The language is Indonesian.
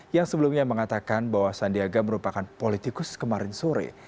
yang sebelumnya mengatakan bahwa sandiaga merupakan politikus kemarin sore